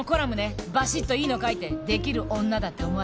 バシッといいのを書いてできる女だって思わせなきゃ。